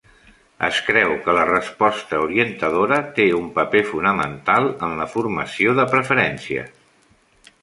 Es creu que la resposta orientadora té un paper fonamental en la formació de preferències.